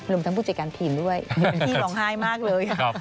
ทั้งผู้จัดการทีมด้วยพี่ร้องไห้มากเลย